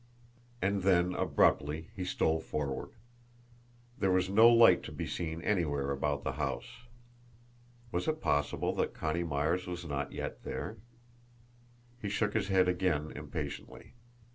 And then, abruptly, he stole forward. There was no light to be seen anywhere about the house. Was it possible that Connie Myers was not yet there? He shook his head again impatiently.